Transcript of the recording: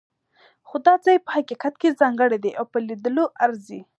خو دا ځای په حقیقت کې ځانګړی دی او په لیدلو ارزي.